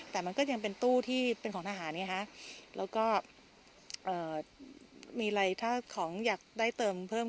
แต่มันก็ยังเป็นตู้ที่เป็นของทหารไงฮะแล้วก็มีอะไรถ้าของอยากได้เติมเพิ่ม